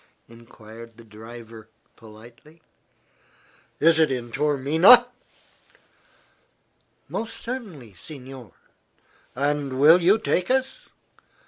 enquired the driver, politely. "Is it in Taormina?" "Most certainly, signore." "And you will take us?"